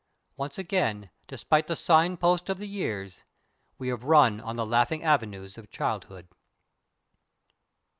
Once again, despite the signpost of the years, we have run on the "laughing avenues of childhood."